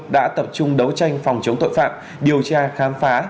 đã tập trung đấu tranh phòng chống tội phạm điều tra khám phá